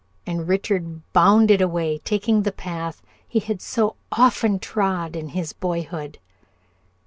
and Richard bounded away, taking the path he had so often trod in his boyhood.